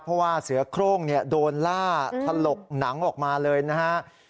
เพราะว่าเสือโครงโดนล่าถลกหนังออกมาเลยนะครับ